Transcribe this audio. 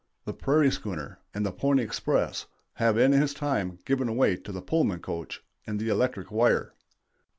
The "prairie schooner" and the pony express have in his time given way to the Pullman coach and the electric wire.